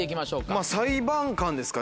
まぁ裁判官ですか？